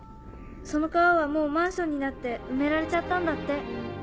その川はもうマンションになって埋められちゃったんだって。